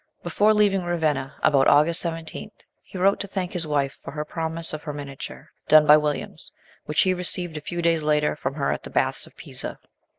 Before leaving Ravenna, about August 17th, he wrote to thank his wife for her promise of her miniature, done by Williams, which he received a few days later from her at the Baths of Pisa.